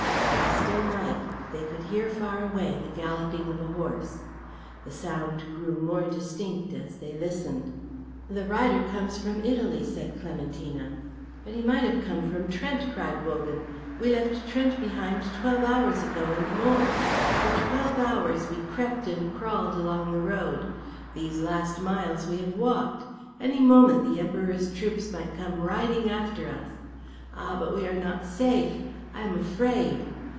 In the still night they could hear far away the galloping of a horse. The sound grew more distinct as they listened. "The rider comes from Italy," said Clementina. "But he might have come from Trent," cried Wogan. "We left Trent behind twelve hours ago, and more. For twelve hours we crept and crawled along the road; these last miles we have walked. Any moment the Emperor's troopers might come riding after us. Ah, but we are not safe! I am afraid!"